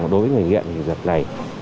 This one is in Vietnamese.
đối với người nghiện dạng này